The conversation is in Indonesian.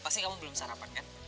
pasti kamu belum sarapan kan